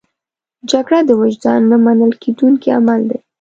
جګړه د وجدان نه منل کېدونکی عمل دی